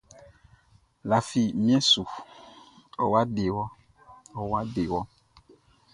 Lafi mien su, ɔwa dewɔ, ɔwa dewɔ!